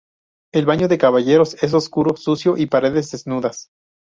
El baño de caballeros es oscuro, sucio y paredes desnudas.